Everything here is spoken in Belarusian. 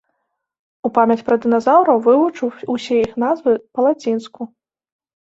У памяць пра дыназаўраў вывучыў усе іх назвы па-лацінску.